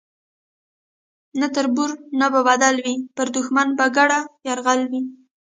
نه تربور نه به بدل وي پر دښمن به ګډ یرغل وي